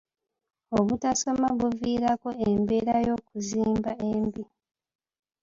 Obutasoma buviirako embeera y'okuzimba embi.